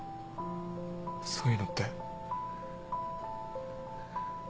そういうのって。